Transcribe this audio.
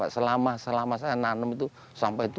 selama saya nanam itu sampai rp tujuh